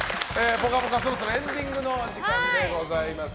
「ぽかぽか」そろそろエンディングのお時間です。